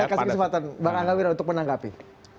saya kasih kesempatan bang angga wira untuk menanggapi